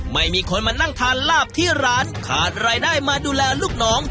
ไม่มีคนมานั่งทานลาบที่ร้านขาดรายได้มาดูแลลูกน้อง